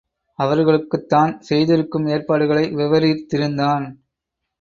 அவர்களுக்குத் தான் செய்திருக்கும் ஏற்பாடுகளை விவரித்திருந்தான்.